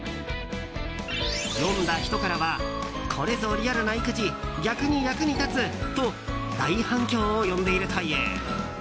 読んだ人からはこれぞリアルな育児逆に役に立つと大反響を呼んでいるという。